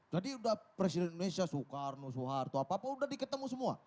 jadi sudah presiden indonesia soekarno soeharto apa apa sudah di ketemu semua